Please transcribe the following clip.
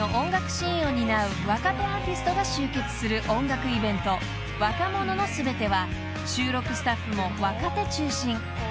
シーンを担う若手アーティストが集結する音楽イベント若者のすべては収録スタッフも若手中心］